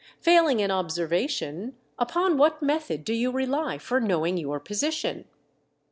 Failing an observation, upon what method do you rely for knowing your position